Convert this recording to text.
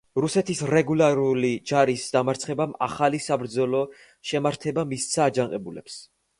რუსეთის რეგულარული ჯარის დამარცხებამ ახალი საბრძოლო შემართება მისცა აჯანყებულებს.